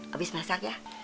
abis masak ya